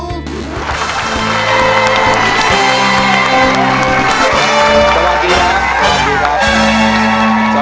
สวัสดีครับ